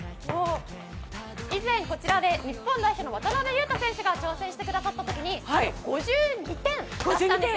以前、こちらで日本代表の渡邊雄太選手が挑戦してくださった時に５２点を出したんです。